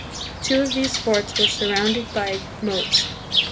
Two of these forts were surrounded by moats.